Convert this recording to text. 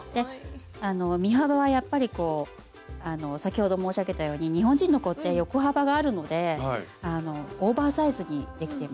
身幅はやっぱりこう先ほど申し上げたように日本人の子って横幅があるのでオーバーサイズにできています。